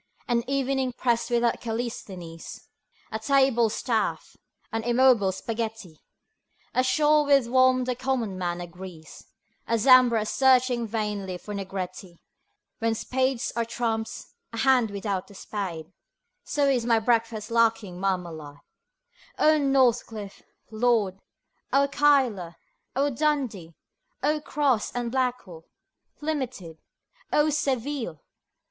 An evening press without Callisthenes; A tables Staff; an immobile spaghetti; A Shaw with whom the Common Man agrees; A Zambra searching vainly for Negretti; When spades are trumps, a hand without a spade So is my breakfast lacking Marmalade. O Northcliffe (Lord)! O Keiller! O Dundee! O Crosse and Blackwell, Limited! O Seville!